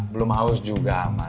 belum aus juga aman